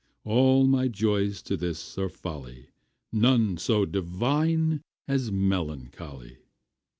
All my joys to this are folly, None so divine as melancholy.